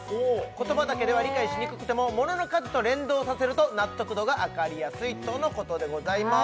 言葉だけでは理解しにくくても物の数と連動させると納得度が上がりやすいとのことでございます